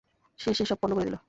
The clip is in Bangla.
সে এসে সব পন্ড করে দিলো।